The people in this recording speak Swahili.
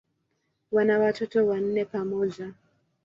Wana watoto wanne pamoja.